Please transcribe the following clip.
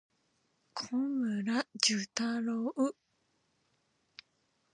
小村寿太郎